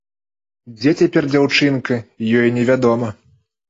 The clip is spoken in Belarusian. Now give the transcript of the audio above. Дзе цяпер дзяўчынка, ёй невядома.